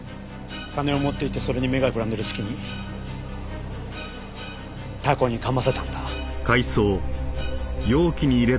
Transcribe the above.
金を持っていってそれに目がくらんでいる隙にタコに噛ませたんだ。